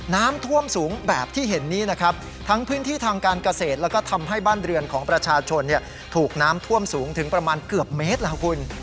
น้ำท่วมสูงแบบที่เห็นนี้นะครับทั้งพื้นที่ทางการเกษตรแล้วก็ทำให้บ้านเรือนของประชาชนเนี่ยถูกน้ำท่วมสูงถึงประมาณเกือบเมตรแล้วคุณ